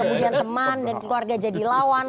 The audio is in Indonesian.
kemudian teman dan keluarga jadi lawan